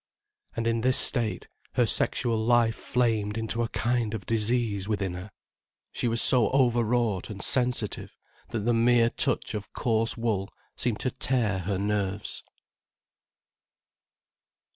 And in this state, her sexual life flamed into a kind of disease within her. She was so overwrought and sensitive, that the mere touch of coarse wool seemed to tear her nerves.